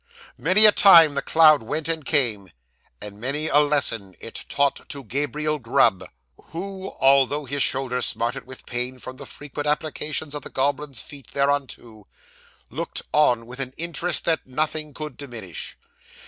'Many a time the cloud went and came, and many a lesson it taught to Gabriel Grub, who, although his shoulders smarted with pain from the frequent applications of the goblins' feet thereunto, looked on with an interest that nothing could diminish.